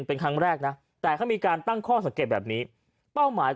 เป็นครั้งแรกนะแต่เขามีการตั้งข้อสังเกตแบบนี้เป้าหมาย